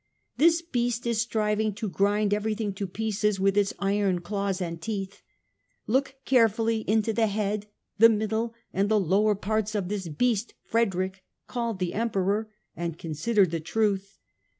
This Beast is striving to grind everything to pieces with its iron claws and teeth. ... Look carefully into the head, the middle, and the lower parts of this Beast Frederick, called the Emperor, and consider the truth.